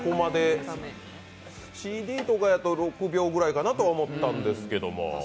ＣＤとかだと６秒ぐらいかなと思ったんですけど。